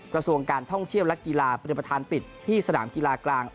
กระทรวงการท่องเที่ยวและกีฬาเป็นประธานปิดที่สนามกีฬากลาง